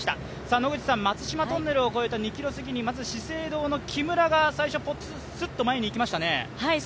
野口さん、松島トンネルを越えた２ｋｍほどのところでまず資生堂の木村が最初、すっと前にいきましたね。